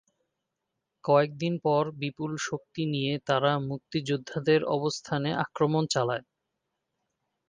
কয়েক দিন পর বিপুল শক্তি নিয়ে তারা মুক্তিযোদ্ধাদের অবস্থানে আক্রমণ চালায়।